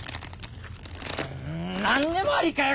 何でもアリかよ